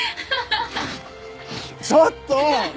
ちょっと！